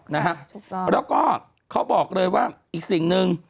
แล้วก็เขาบอกเลยว่าอีกสิ่งหนึ่ง